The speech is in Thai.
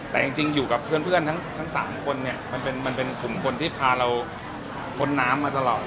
แต่จริงอยู่กับเพื่อนทั้ง๓คนเนี่ยมันเป็นกลุ่มคนที่พาเราพ้นน้ำมาตลอด